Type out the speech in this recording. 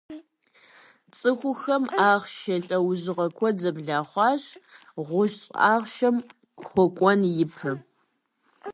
Цӏыхухэм «ахъшэ» лӏэужьыгъуэ куэд зэблахъуащ гъущӏ ахъшэм хуэкӏуэн ипэ.